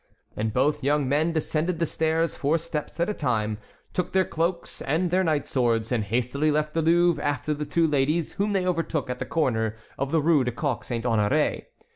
And both young men descended the stairs four steps at a time, took their cloaks and their night swords, and hastily left the Louvre after the two ladies, whom they overtook at the corner of the Rue du Coq Saint Honoré.